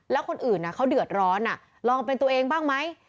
แล้วคนอื่นเขาเดือดร้อนลองเป็นตัวเองบ้างไหม